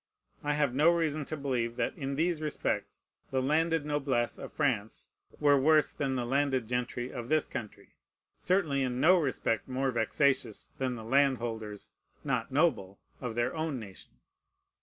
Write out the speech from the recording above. I have no reason to believe that in these respects the landed noblesse of France were worse than the landed gentry of this country, certainly in no respect more vexatious than the landholders, not noble, of their own nation.